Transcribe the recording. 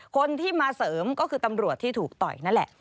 คนที่มาเสริมก็คือตำรวจที่ถูกต่อยนั่นแหละ